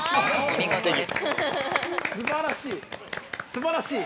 ◆すばらしい！